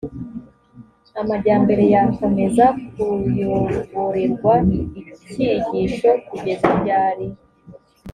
amajyambere yakomeza kuyoborerwa icyigisho kugeza ryari